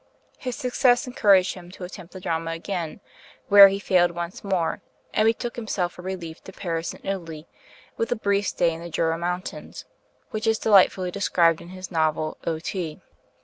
His success encouraged him to attempt the drama again, where he failed once more, and betook himself for relief to Paris and Italy, with a brief stay in the Jura Mountains, which is delightfully described in his novel, 'O.T.'